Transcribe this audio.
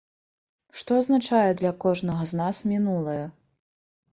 Што азначае для кожнага з нас мінулае?